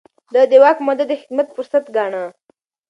ده د واک موده د خدمت فرصت ګاڼه.